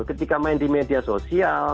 ketika main di media sosial